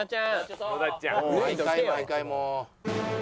毎回毎回もう。